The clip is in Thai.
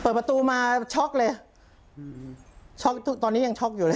เปิดประตูมาช็อกเลยช็อกตอนนี้ยังช็อกอยู่เลย